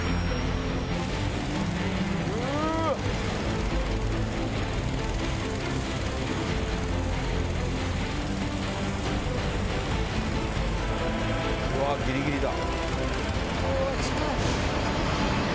うわギリギリだ。